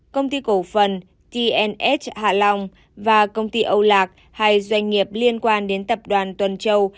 công ty cổ phần tns hạ long và công ty âu lạc hai doanh nghiệp liên quan đến tập đoàn tuần châu